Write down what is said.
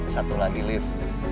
satu lagi lif